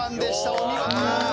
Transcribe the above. お見事！